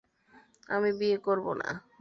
আমি বিয়ে করব না!